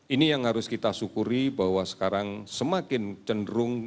ini yang harus kita syukuri bahwa sekarang semakin cenderung